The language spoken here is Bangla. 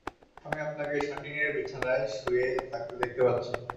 আমি আপনাকে সাটিনের বিছানায় শুয়ে থাকতে দেখতে পাচ্ছি।